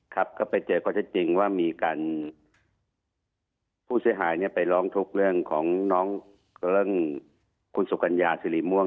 ครับเขาไปเจอขอจริงว่ามีการเพลิงของผู้เสียหายไปร้องทุกเรื่องคุณสุกัญญาสิริม่วง